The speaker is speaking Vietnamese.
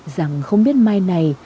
rằng không biết mai này